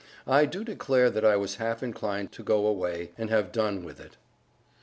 I do declare that I was half inclined to go away, and have done with it.